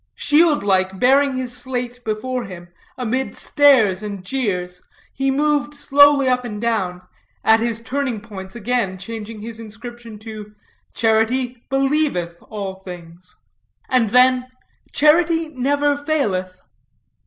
Shield like bearing his slate before him, amid stares and jeers he moved slowly up and down, at his turning points again changing his inscription to "Charity believeth all things." and then "Charity never faileth."